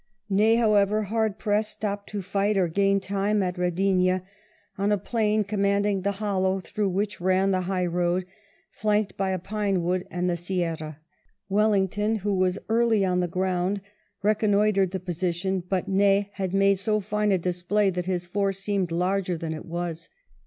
Ney, however, hard pressed, stopped to fight or gain time at Eedhinha on a plain VII ney's fighting rear guard 145 commanding the hollow through which ran the high road, flanked by a pine wood and the Sierra. Wellington, who was early on the ground, reconnoitred the position, but Ney had made so fine a display that his force seemed larger than it was.